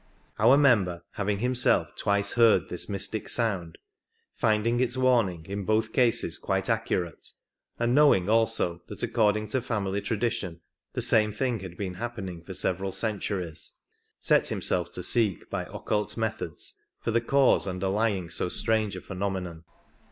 Our member, having himself twice heard this mystic sound, finding its warning in both cases quite accurate, and knowing also that according to family tradition the same thing had been happening for several centuries, set himself to seek by occult methods for the cause underlying so strange a phenomenon.